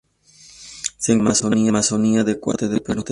Se encuentra en la Amazonia de Ecuador y norte de Perú.